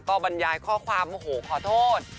ก็บรรยายข้อความโอ้โหขอโทษ